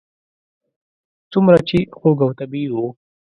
څومره چې خوږ او طبیعي و.